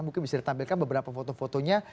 mungkin bisa ditampilkan beberapa foto fotonya